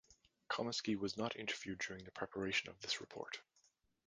Comiskey was not interviewed during the preparation of this report.